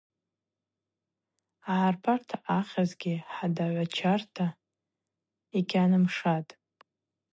Агӏарбарта ахьызгьи хӏадагӏвачата йгьгӏанымшатӏ.